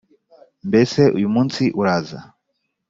Mbese uyu munsi uraza.